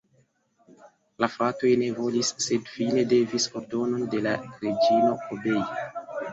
La fratoj ne volis, sed fine devis ordonon de la reĝino obei.